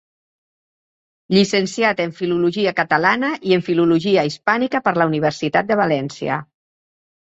Llicenciat en Filologia Catalana i en Filologia Hispànica per la Universitat de València.